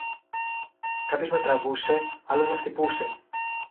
Κάποιος με τραβούσε, άλλος με χτυπούσε